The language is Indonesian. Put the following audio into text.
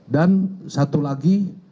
dan satu lagi